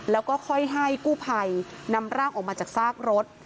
แล้วก็ค่อยให้กู้ภัยนำร่างออกมาจากซากรถ